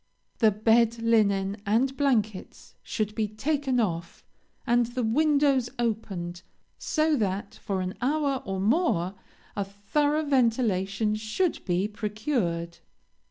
The bed linen and blankets should be taken off, and the windows opened, so that, for an hour or more, a thorough ventilation should be procured.